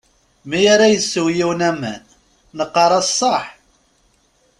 Mi ara isew yiwen aman, neqqar-as ṣaḥ.